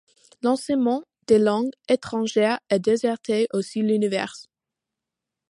L'enseignement des langues étrangères a déserté aussi l'univers.